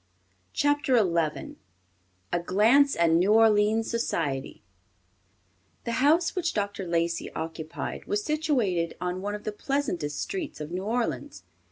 CHAPTER XI A GLANCE AT NEW ORLEANS SOCIETY The house which Dr. Lacey occupied was situated on one of the pleasantest streets of New Orleans.